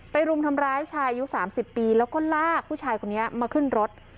รุมทำร้ายชายอายุ๓๐ปีแล้วก็ลากผู้ชายคนนี้มาขึ้นรถ